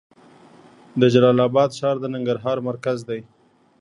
د جلال اباد ښار د ننګرهار مرکز دی